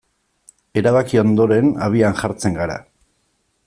Erabaki ondoren, abian jartzen gara.